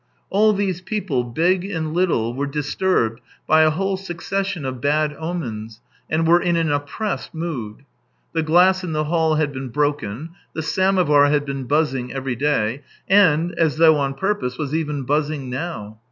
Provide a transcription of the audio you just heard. All these people, big and little, were disturbed by a whole succession of bad omens and were in an oppressed mood. The glass in the hall had been broken, the samovar had been buzzing every day. and, as though on purpose, was even buzzing now.